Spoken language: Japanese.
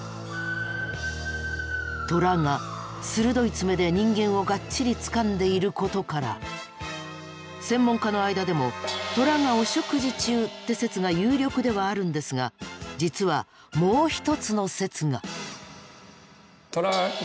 トラが鋭い爪で人間をがっちりつかんでいることから専門家の間でも「トラがお食事中」って説が有力ではあるんですが実はもう一つの説が。